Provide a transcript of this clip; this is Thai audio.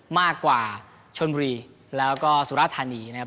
มากกว่าชนบุรีแล้วก็สุรธานีนะครับ